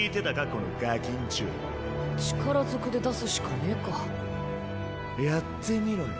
このガキんちょ力ずくで出すしかねぇかやってみろよ。